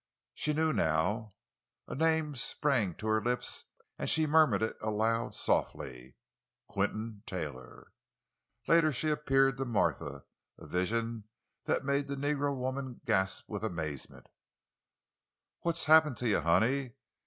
She knew now. A name sprang to her lips, and she murmured it aloud, softly: "Quinton Taylor." Later she appeared to Martha—a vision that made the negro woman gasp with amazement. "What happen to you, honey?